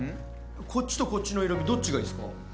こっちとこっちの色みどっちがいいですか？